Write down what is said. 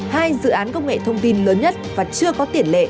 hai dự án công nghệ thông tin lớn nhất và chưa có tiền lệ